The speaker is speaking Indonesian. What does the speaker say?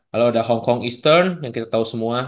lalu ada hong kong eastern yang kita tau semua